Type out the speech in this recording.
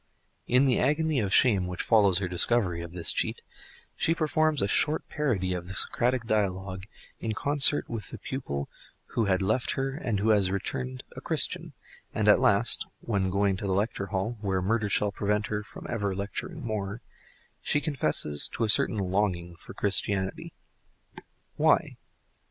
In the agony of shame which follows her discovery of this cheat she performs a short parody of the Socratic dialogue in concert with the pupil who had left her and who has returned a Christian, and at last, when going to the lecture hall (where murder shall prevent her from ever lecturing more) she confesses to a certain longing for Christianity. Why?